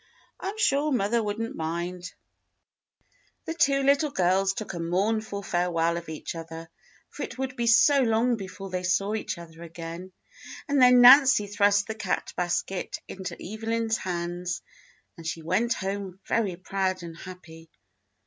I'm sure mother would n't mind." THE JOURNEY 73 The two little girls took a mournful farewell of each other, for it would be so long before they saw each other again; and then Nancy thrust the cat basket into Evelyn's hands and she went home very proud and happy.